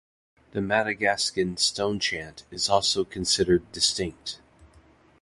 The Madagascan stonechat is also considered distinct.